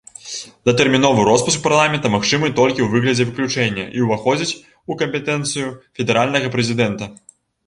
Датэрміновы роспуск парламента магчымы толькі ў выглядзе выключэння і ўваходзіць у кампетэнцыю федэральнага прэзідэнта.